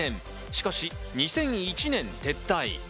しかし、２００１年撤退。